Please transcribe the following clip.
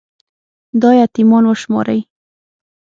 دا يـتـيـمـان وشمارئ